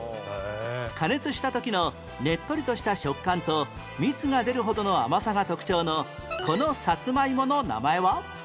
加熱した時のねっとりとした食感と蜜が出るほどの甘さが特徴のこのさつまいもの名前は？